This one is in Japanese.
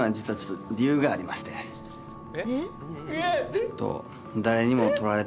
ちょっと。